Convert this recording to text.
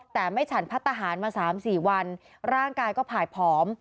แต่ไม่ฉันพัฒนาหารมา๓๔วันร่างกายก็ผ่ายผอม